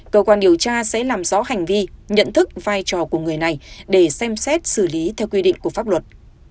cơ quan điều tra sẽ làm rõ hành vi nhận thức vai trò của người này để xem xét xử lý theo quy định của pháp luật